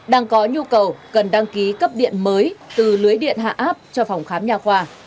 đang có nhu cầu cần đăng ký cấp điện mới từ lưới điện hạ áp cho phòng khám nhà khoa